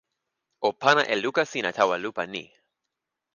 o pana e luka sina tawa lupa ni.